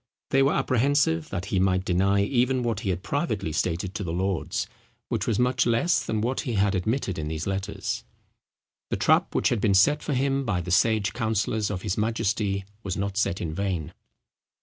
They were apprehensive that he might deny even what he had privately stated to the lords, which was much less than what he had admitted in these letters. The trap which had been set for him by the sage counsellors of his majesty was not set in vain.